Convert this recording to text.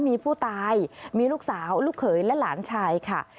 มีผู้ตายมีลูกสาวลูกเขยและหลานชายค่ะ